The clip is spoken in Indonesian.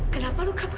kenapa luka bakar